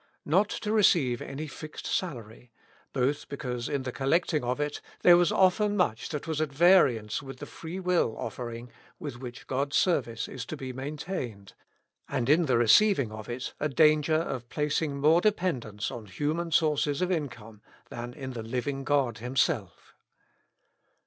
Not to receive any fixed salary, both because iu the collecting of it there was ofteu much that was at variance with the freewill oflferiug with which God's service is to be maintained, and in the receiving of it a danger of placing more dependence on human sources of income than iu the living God Himself.